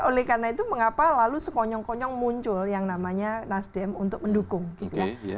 oleh karena itu mengapa lalu sekonyong konyong muncul yang namanya nasdem untuk mendukung gitu ya